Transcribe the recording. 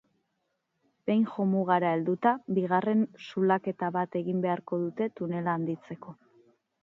Behin jomugara helduta bigarren zulaketa bat egin beharko dute tunela handitzeko.